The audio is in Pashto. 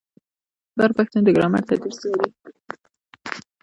بر پښتون د ګرامر تدریس لري.